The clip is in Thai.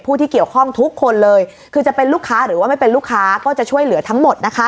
ที่เกี่ยวข้องทุกคนเลยคือจะเป็นลูกค้าหรือว่าไม่เป็นลูกค้าก็จะช่วยเหลือทั้งหมดนะคะ